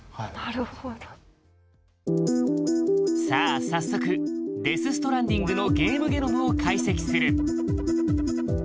さあ早速「デス・ストランディング」のゲームゲノムを解析する。